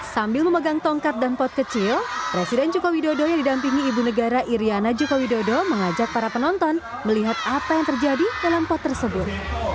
sambil memegang tongkat dan pot kecil presiden jokowi dodo yang didampingi ibu negara iryana joko widodo mengajak para penonton melihat apa yang terjadi dalam pot tersebut